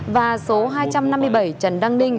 và số hai trăm năm mươi bảy trần đăng ninh